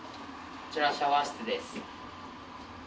こちらがシャワー室です。